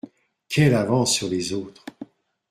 Quelle avance sur les autres !